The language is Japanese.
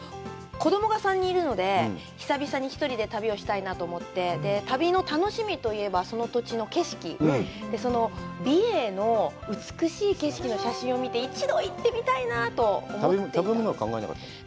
子供が３人いるので久々に一人で旅をしたいなと思って、旅の楽しみといえばその土地の景色、美瑛の美しい景色の写真を見て一度、行ってみたいなと思っていたんです。